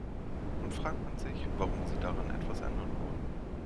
Nun fragt man sich, warum Sie daran etwas ändern wollen.